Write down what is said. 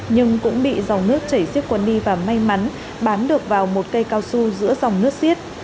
nhưng cũng bị dòng nước chảy xiếc quần đi và may mắn bám được vào một cây cao su giữa dòng nước siết